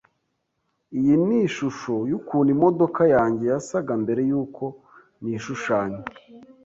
Iyi ni ishusho yukuntu imodoka yanjye yasaga mbere yuko nishushanya.